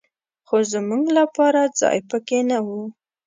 خو زمونږ لپاره ځای په کې نه و.